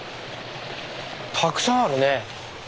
たくさんあるね。